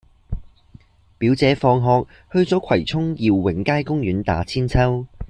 表姐放學去左葵涌耀榮街公園打韆鞦